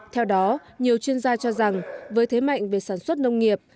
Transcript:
theo đó nhiều chuyên gia cho rằng với thế mạnh về sản xuất nông nghiệp